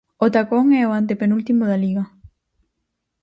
O Tacón é o antepenúltimo da Liga.